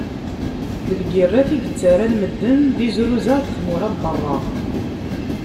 D lgirrat i yettarran medden d izruzaɣ deg tmura n berra.